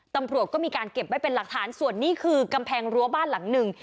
ตำรวจก็มีการเก็บไว้เป็นหลักฐานส่วนนี้คือกำแพงรั้วบ้านหลังหนึ่ง